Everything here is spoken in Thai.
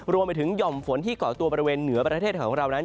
รวมไปถึงหย่อมฝนที่ก่อตัวบริเวณเหนือประเทศของเรานั้น